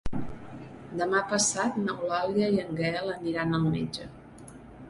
Demà passat n'Eulàlia i en Gaël aniran al metge.